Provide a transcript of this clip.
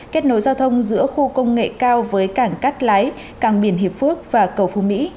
kết nối giao thông giữa khu công nghệ cao với cảng cắt lái cảng biển hiệp phước và cầu phú mỹ